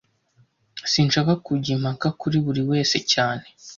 Sinshaka kujya impaka kuri buri wese cyane